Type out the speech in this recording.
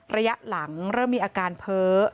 ระยะหลังเริ่มมีอาการเพ้อ